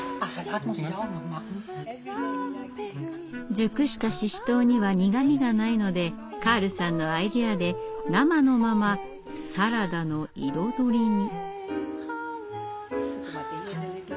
熟したシシトウには苦みがないのでカールさんのアイデアで生のままサラダの彩りに。